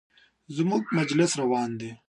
زموږ مجلس روان و.